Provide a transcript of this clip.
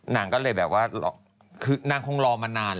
นางก็เลยแบบว่าคือนางคงรอมานาน